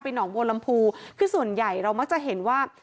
หนองบัวลำพูคือส่วนใหญ่เรามักจะเห็นว่า